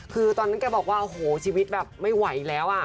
คือตอนนั้นแกบอกว่าโอ้โหชีวิตแบบไม่ไหวแล้วอ่ะ